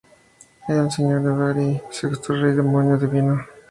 Era el señor de Owari, el sexto Rey Demonio Divino.